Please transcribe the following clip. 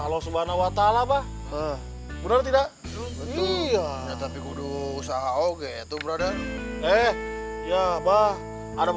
allah subhanahuwata'ala bahwa benar tidak iya tapi kudus ah oke itu berada eh ya bah ada